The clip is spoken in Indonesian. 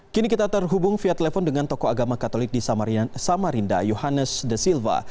kini kita terhubung via telepon dengan tokoh agama katolik di samarinda yohannes de silva